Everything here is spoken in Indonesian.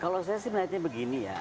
kalau saya sih melihatnya begini ya